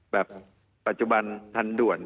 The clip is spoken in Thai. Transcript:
ปัจจุบันทันด่วน